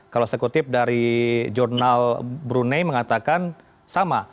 kalau saya kutip dari jurnal brunei mengatakan sama